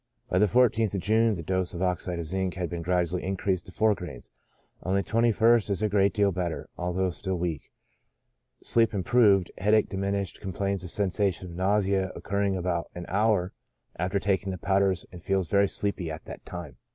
By the 14th of June the dose of oxide of zinc had been gradually increased to four grains ; on the 21st, is a great deal better, although still weak. Sleep improved ; headache di minished ; complains of a sensation of nausea occurring about an hour after taking the powders, and feels sleepy at that time.